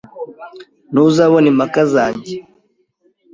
Ntuzabona impaka zanjye.